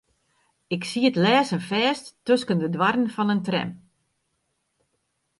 Ik siet lêsten fêst tusken de doarren fan in tram.